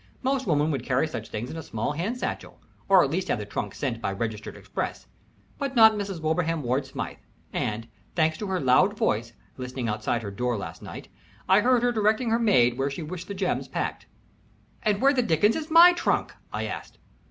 Most women would carry such things in a small hand satchel, or at least have the trunk sent by registered express, but not Mrs. Wilbraham Ward Smythe; and, thanks to her loud voice, listening outside of her door last night, I heard her directing her maid where she wished the gems packed." "And where the dickens is my trunk?" I asked.